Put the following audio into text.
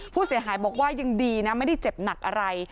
ผู้เสียหายบอกว่ายังดีนะไม่ได้เจ็บหนักอะไร